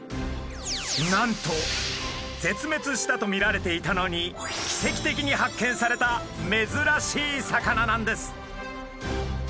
なんと絶滅したと見られていたのに奇跡的に発見されためずらしい魚なんです。